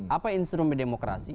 apa instrumen demokrasi